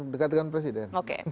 dekat dengan presiden